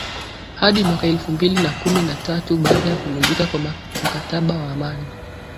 hadi mwaka elfu mbili na kumi na tatu baada ya kuvunjika kwa mkataba wa amani